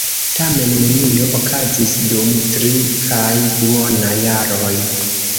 Tamen nenio okazis dum tri kaj duona jaroj.